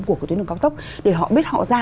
của cái tuyến đường cao tốc để họ biết họ ra